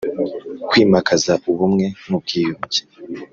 Kwimakaza ubumwe n ubwiyunge